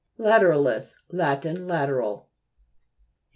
LATERA'LIS Lat. Lateral.